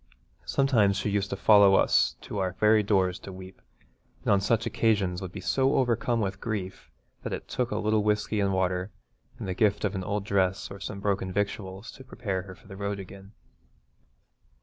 Sometimes she used to follow us to our very doors to weep, and on such occasions would be so overcome with grief that it took a little whisky and water and the gift of an old dress or some broken victuals to prepare her for the road again.